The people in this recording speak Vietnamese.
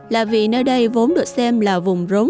là vì nơi đây vốn được xem là vùng rối